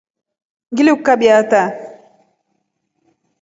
Ngilikukabia hataa.